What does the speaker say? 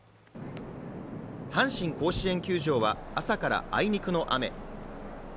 阪神甲子園球場は朝からあいにくの雨。